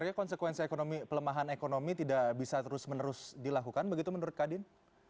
jadi konsekuensi ekonomi pelemahan ekonomi tidak bisa terus menerus dilakukan begitu menurut kadin